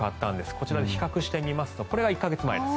こちらで比較してみますとこれが１か月前。